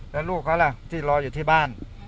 แล้วลูกเขาล่ะที่รออยู่ที่บ้าน